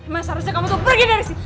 mas harusnya kamu tuh pergi dari sini